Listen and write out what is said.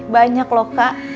banyak loh kak